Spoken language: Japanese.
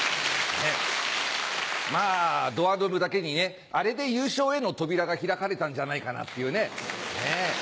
まぁドアノブだけにねあれで優勝への扉が開かれたんじゃないかなっていう。